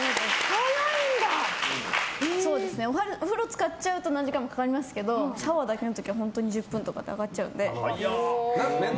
お風呂つかっちゃうと何時間もかかりますけどシャワーだけの時は本当に１０分とかで上がっちゃうので。